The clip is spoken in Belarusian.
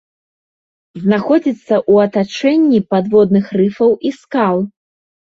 Знаходзіцца ў атачэнні падводных рыфаў і скал.